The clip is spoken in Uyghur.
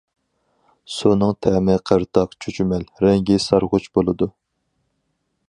سۇنىڭ تەمى قىرتاق، چۈچۈمەل، رەڭگى سارغۇچ بولىدۇ.